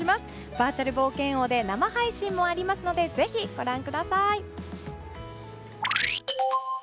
バーチャル冒険王で生配信もありますのでぜひご覧ください。